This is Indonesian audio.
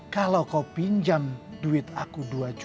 kalau kau pinjam duit aku